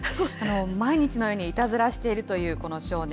毎日のようにいたずらしているというこの少年。